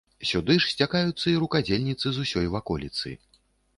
Сюды ж сцякаюцца і рукадзельніцы з усёй ваколіцы.